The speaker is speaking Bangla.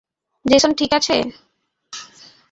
জেসন ঠিক আছে?